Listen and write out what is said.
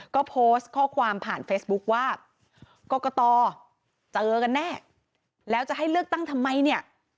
ก็โพสต์ข้อความผ่านเฟซบุ๊คว่ากรกตเจอกันแน่แล้วจะให้เลือกตั้งทำไมเนี่ย